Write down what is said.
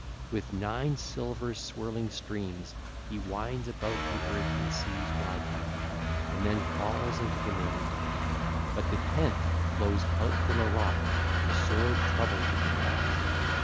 With nine silver swirling streams he winds about the earth and the sea's wide back, and then falls into the main 1624; but the tenth flows out from a rock, a sore trouble to the gods.